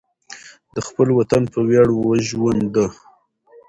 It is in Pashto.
د خپل وطن په ویاړ وژونده.